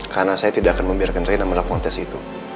karena saya tidak akan membiarkan reyna melaporkan tes itu